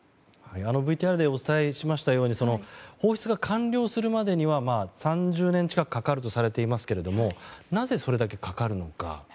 ＶＴＲでお伝えしましたように放出が完了するまでには３０年近くかかるとされていますがなぜ、それだけかかるのか。